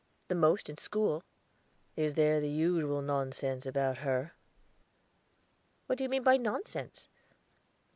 "The most in school." "Is there the usual nonsense about her?" "What do you mean by nonsense?"